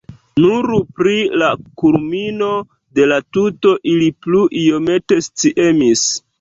Nur pri la kulmino de la tuto ili plu iomete sciemis.